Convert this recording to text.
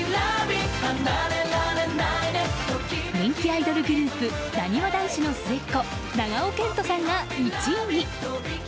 人気アイドルグループなにわ男子の末っ子長尾謙杜さんが１位に。